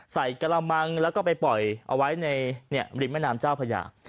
กระมังแล้วก็ไปปล่อยเอาไว้ในริมแม่น้ำเจ้าพญา